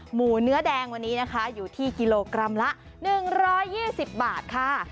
หมูเนื้อแดงวันนี้นะคะอยู่ที่กิโลกรัมละ๑๒๐บาทค่ะ